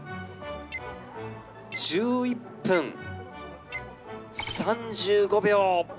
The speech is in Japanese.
１１分３５秒。